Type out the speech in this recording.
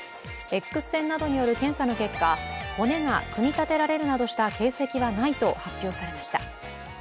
Ｘ線などによる検査の結果骨が組み立てられるなどした形跡はないと発表されました。